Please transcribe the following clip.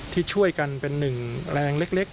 ที่ช่วยกันเป็นหนึ่งแรงเล็ก